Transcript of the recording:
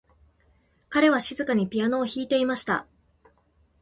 彼は静かにピアノを弾いていました。